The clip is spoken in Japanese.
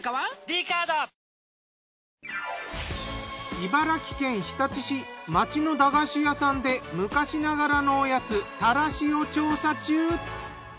茨城県日立市町の駄菓子屋さんで昔ながらのおやつたらしを調査中。